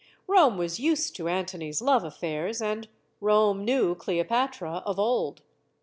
Rome was used to An tony's love affairs, and Rome knew Cleopatra of old.